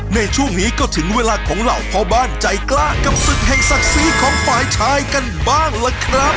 ในช่วงนี้ก็ถึงเวลาของเหล่าพ่อบ้านใจกล้ากับศึกแห่งศักดิ์ศรีของฝ่ายชายกันบ้างล่ะครับ